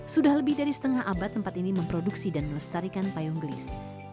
sudah lebih dari setengah abad tempat ini memproduksi dan melestarikan payung gelis